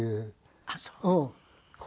あっそう。